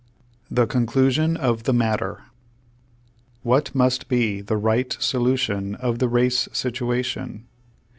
THE CONCLUSION OF THE MATTER What must be the right solution of the race situation?